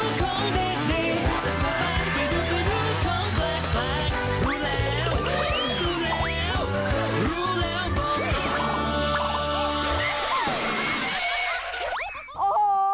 โอ้โห